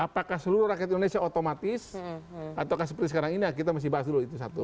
apakah seluruh rakyat indonesia otomatis atau seperti sekarang ini ya kita masih bahas dulu itu satu